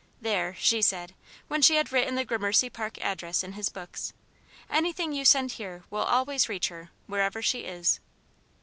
"There!" she said, when she had written the Gramercy Park address in his book. "Anything you send here will always reach her, wherever she is."